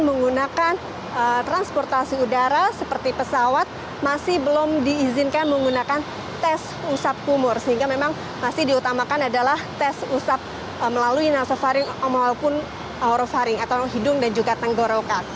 menggunakan transportasi udara seperti pesawat masih belum diizinkan menggunakan tes usap kumur sehingga memang masih diutamakan adalah tes usap melalui nasofaring maupun horofaring atau hidung dan juga tenggorokan